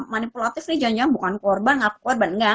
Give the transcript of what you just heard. manipulatif ini jangan jangan bukan korban